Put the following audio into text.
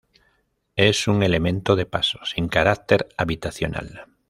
Es un elemento de paso, sin carácter habitacional.